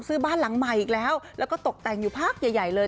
ซื้อบ้านหลังใหม่อีกแล้วแล้วก็ตกแต่งอยู่พักใหญ่ใหญ่เลย